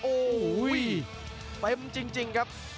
โอ้ววววววววเป็นจริงครับ